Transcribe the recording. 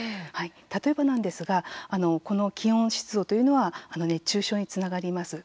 例えばなんですがこの気温、湿度というのは熱中症につながります。